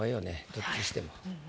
どっちにしても。